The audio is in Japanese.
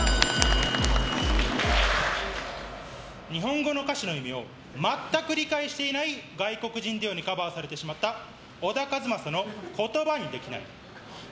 日本語の歌詞の意味を全く理解していない外国人デュオにカバーされてしまった小田和正の「言葉にできない」。